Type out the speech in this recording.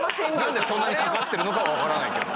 なんでそんなにかかってるのかはわからないけど。